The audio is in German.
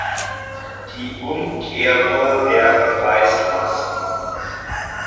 Die Umkehrung der Beweislast.